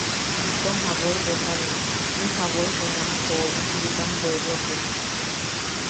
Itom jaboi betana... in jaboi junama joome Bikam puepplopo.